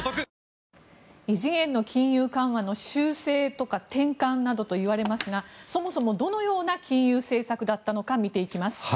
異次元の金融緩和の修正とか転換などといわれますがそもそもどのような金融政策だったのか見ていきます。